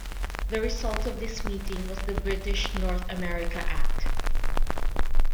The result of this meeting was the British North America Act.